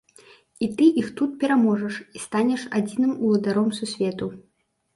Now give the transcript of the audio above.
І ты іх тут пераможаш і станеш адзіным уладаром сусвету!